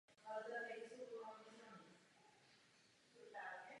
Značná část obyvatelstva byla také židovského původu.